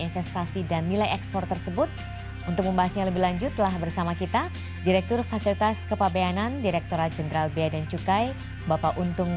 pak untung selamat datang di cnn